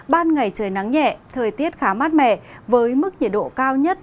ban ngày trời nắng nhẹ thời tiết khá mát mẻ với mức nhiệt độ cao nhất